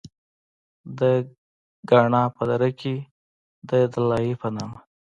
د کاڼا پۀ دره کښې د “دلائي” پۀ نامه